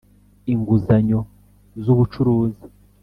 inguzanyo z'ubucuruzi